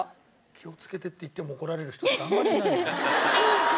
「気をつけて」って言っても怒られる人ってあんまりいないよね。